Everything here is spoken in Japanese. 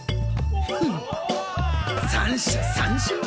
フッ三者三振！